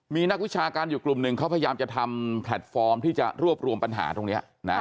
มีนักวิชาการอยู่กลุ่มหนึ่งเขาพยายามจะทำแพลตฟอร์มที่จะรวบรวมปัญหาตรงนี้นะ